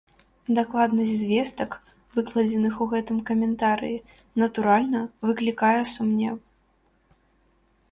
Дакладнасць звестак, выкладзеных у гэтым каментарыі, натуральна, выклікае сумневы.